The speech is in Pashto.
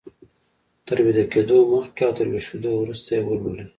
تر ويده کېدو مخکې او تر ويښېدو وروسته يې ولولئ.